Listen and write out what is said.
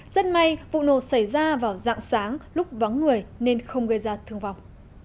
rất may vụ nổ xảy ra vào dạng sáng lúc vắng người nên không gây ra thương vọng